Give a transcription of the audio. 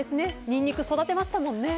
ニンニク育てましたからね。